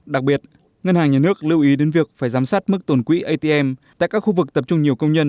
đặc biệt ngân hàng nhà nước lưu ý đến việc phải giám sát mức tồn quỹ atm tại các khu vực tập trung nhiều công nhân